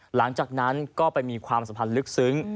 หลังจากนั้นก็ไปมีความสัมพันธ์ลึกซึ้ง